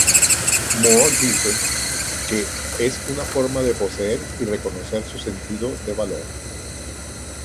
Moore dice que "es una forma de poseer y reconocer su sentido de valor".